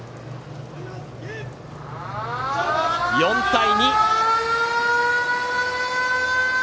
４対２。